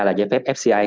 là giấy phép fci